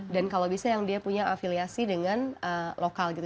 dan kalau bisa yang dia punya afiliasi dengan lokal gitu